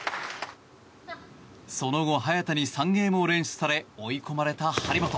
その後、早田に３ゲームを連取され追い込まれた張本。